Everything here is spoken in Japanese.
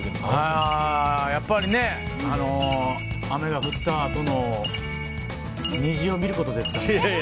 やっぱり雨が降ったあとの虹を見ることですかね。